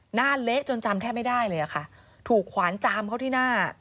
เละจนจำแทบไม่ได้เลยอะค่ะถูกขวานจามเขาที่หน้า